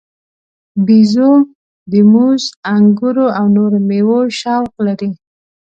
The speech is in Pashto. بیزو د موز، انګورو او نورو میوو شوق لري.